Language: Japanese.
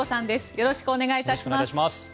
よろしくお願いします。